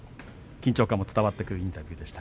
緊張感も伝わってくるインタビューでした。